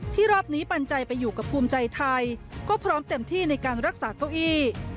รอบนี้ปันใจไปอยู่กับภูมิใจไทยก็พร้อมเต็มที่ในการรักษาเก้าอี้